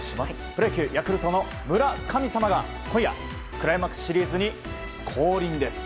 プロ野球、ヤクルトの村神様が今夜クライマックスシリーズに降臨です。